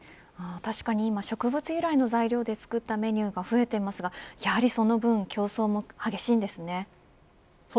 確かに植物由来の材料で作ったメニューが増えていますがやはりその分競争も激しいんですね。